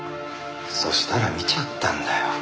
そしたら見ちゃったんだよ